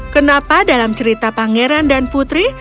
kenapa dalam cerita pangeran dan putri